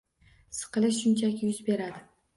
Siqilish shunchaki yuz beradi.